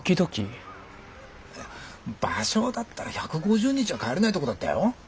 芭蕉だったら１５０日は帰れないとこだったよ。